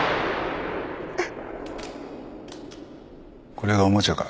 これがおもちゃか？